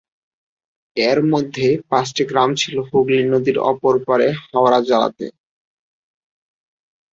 এর মধ্যে পাঁচটি গ্রাম ছিলো হুগলী নদীর অপর পাড়ে হাওড়া জেলাতে।